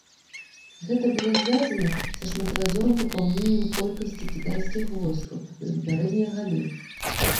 Гэта было звязана са шматразовым папаўненнем колькасці кітайскіх войскаў за папярэднія гады.